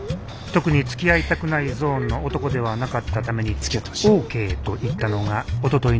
特につきあいたくないゾーンの男ではなかったためにオーケーと言ったのがおとといのこと